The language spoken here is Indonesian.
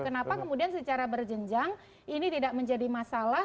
kenapa kemudian secara berjenjang ini tidak menjadi masalah